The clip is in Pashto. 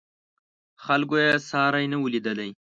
خلکو یې ساری نه و لیدلی.